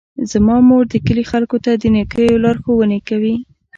زما مور د کلي خلکو ته د نیکیو لارښوونې کوي.